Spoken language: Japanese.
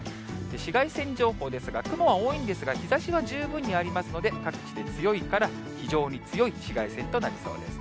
紫外線情報ですが、雲は多いんですが、日ざしは十分にありますので、各地で強いから非常に強い紫外線となりそうです。